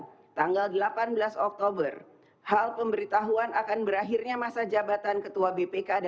tiga r lima puluh tanggal dua puluh tujuh september hal pemberhentian dan pengangkatan panglima tni